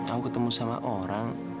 aku ketemu sama orang